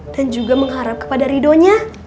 dan juga mengharap kepada ridhonya